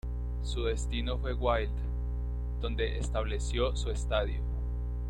Su destino fue Wilde, donde estableció su estadio.